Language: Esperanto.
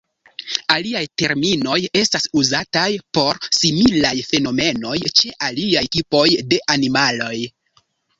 Aliaj terminoj estas uzataj por similaj fenomenoj ĉe aliaj tipoj de animaloj.